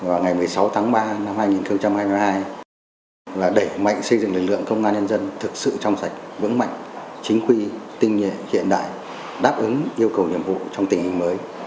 và ngày một mươi sáu tháng ba năm hai nghìn hai mươi hai là đẩy mạnh xây dựng lực lượng công an nhân dân thực sự trong sạch vững mạnh chính quy tinh hiện đại đáp ứng yêu cầu nhiệm vụ trong tình hình mới